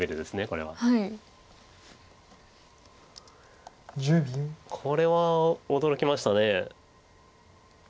これは驚きました。